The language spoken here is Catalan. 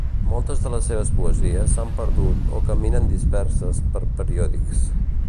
Moltes de les seves poesies s'han perdut o caminen disperses per periòdics.